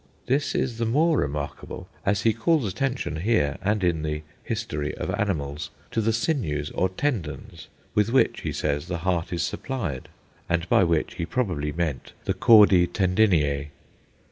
This is the more remarkable, as he calls attention here, and in the "History of Animals," to the sinews or tendons (νεῦρα) with which, he says, the heart is supplied, and by which he probably meant chiefly the chordæ tendineæ.